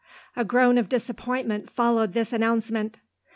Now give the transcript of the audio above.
A groan of disappointment followed this announcement.